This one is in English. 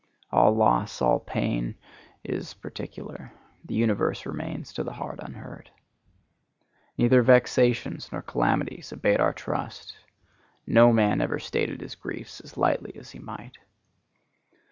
All loss, all pain, is particular; the universe remains to the heart unhurt. Neither vexations nor calamities abate our trust. No man ever stated his griefs as lightly as he might.